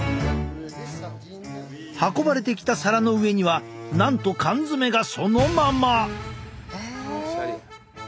運ばれてきた皿の上にはなんと缶詰がそのまま！